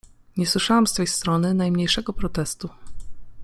Nie słyszałam z twej strony najmniejszego protestu.